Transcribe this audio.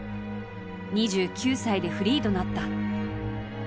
２９歳でフリーとなった。